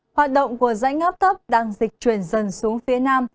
hoạt động của dãy ngắp thấp đang dịch truyền dần xuống phía nam